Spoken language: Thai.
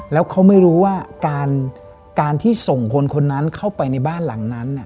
แล้วเขาไม่รู้ว่าการที่ส่งคนคนนั้นเข้าไปในบ้านหลังนั้น